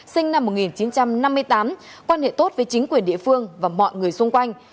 sinh năm một nghìn chín trăm năm mươi tám quan hệ tốt với chính quyền địa phương và mọi người xung quanh